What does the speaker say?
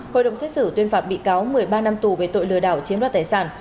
hội đồng xét xử tuyên phạt bị cáo một mươi ba năm tù về tội lừa đảo chiếm đoạt tài sản